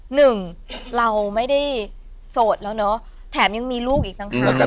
หนึ่งเราไม่ได้โสดแล้วเนอะแถมยังมีลูกอีกต่างหาก